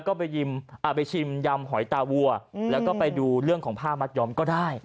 ก็ไปชิมยำหอยตาวัวแล้วก็ไปดูเรื่องของผ้ามัดยอมก็ได้